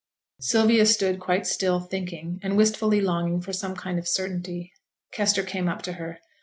Sylvia stood quite still, thinking, and wistfully longing for some kind of certainty. Kester came up to her.